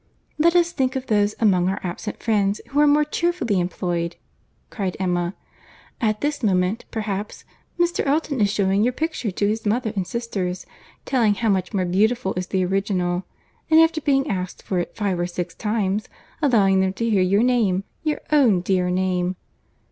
"Let us think of those among our absent friends who are more cheerfully employed," cried Emma. "At this moment, perhaps, Mr. Elton is shewing your picture to his mother and sisters, telling how much more beautiful is the original, and after being asked for it five or six times, allowing them to hear your name, your own dear name."